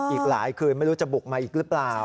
อีกหลายคืนไม่รู้จะบุกมาอีกหรือเปล่า